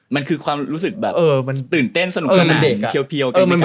มันคือความรู้สึกตื่นเต้นสนุกสนานเพียว